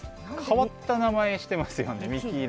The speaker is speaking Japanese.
変わった名前してますよね未希ライフ。